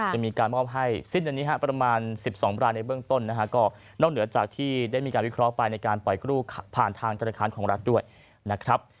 จะมีการมอบให้สิ้นเดือนนี้ประมาณ๑๒รายในเบื้องต้นนะฮะก็นอกเหนือจากที่ได้มีการวิเคราะห์ไปในการปล่อยกู้ผ่านทางธนาคารของรัฐด้วยนะครับ